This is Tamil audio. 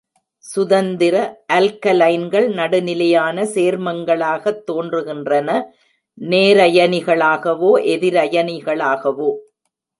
சுதந்திர அல்கைல்கள் நடுநிலையான சேர்மங்களாக தோன்றுகின்றன, நேரயனிகளாகவோ எதிரயனிகளாகவோ.